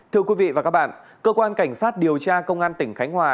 thưa quý vị và các bạn cơ quan cảnh sát điều tra công an tỉnh khánh hòa